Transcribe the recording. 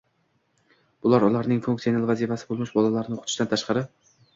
Bular ularning funksional vazifasi bo‘lmish bolalarni o‘qitishdan tashqari